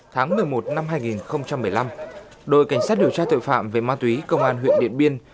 tháng một mươi một năm hai nghìn một mươi năm đội cảnh sát điều tra tội phạm về ma túy công an huyện điện biên